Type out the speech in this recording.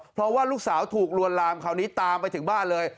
เพราะว่าลูกสาวถูกลวนลามคราวนี้ตามไปถึงบ้านเลย